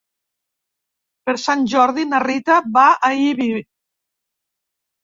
Per Sant Jordi na Rita va a Ibi.